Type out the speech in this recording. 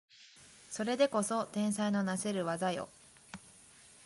それでこそ天才のなせる技よ